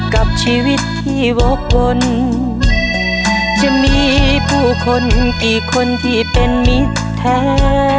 กับชีวิตที่วกวนจะมีผู้คนกี่คนที่เป็นมิตรแท้